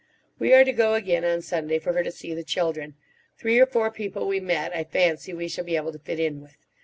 We are to go again on Sunday for her to see the children. Three or four people we met I fancy we shall be able to fit in with.